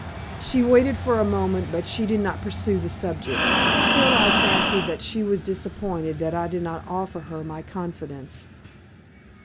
She waited for a moment, but she did not pursue the subject. Still, I fancied that she was disappointed that I did not offer her my confidence.